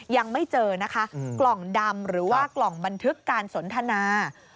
ยังไม่เจอนะคะกล่องดำหรือว่ากล่องบันทึกการสนทนา